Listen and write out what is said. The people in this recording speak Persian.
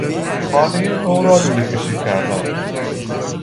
خانهی نو را لوله کشی کردن